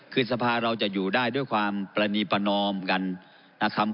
คือสภาเราจะอยู่ได้ด้วยความปรณีประนอมกันนะครับ